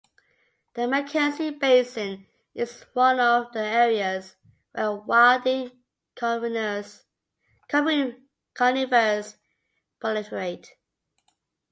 The MacKenzie Basin is one of the areas where wilding conifers proliferate.